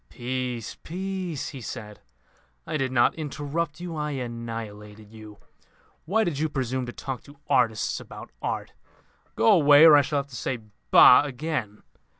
"Peace, peace," he said. "I did not interrupt you. I annihilated you. Why did you presume to talk to artists about art? Go away, or I shall have to say Bah! again.